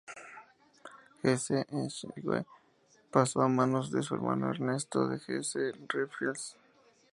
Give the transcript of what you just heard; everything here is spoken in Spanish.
Hesse-Eschwege pasó a manos de su hermano Ernesto de Hesse-Rheinfels.